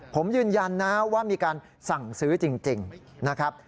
ผมยืนยันนะว่ามีการสั่งซื้อจริงนะครับ